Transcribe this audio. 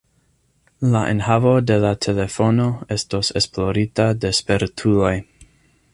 La enhavo de la telefono estos esplorita de spertuloj.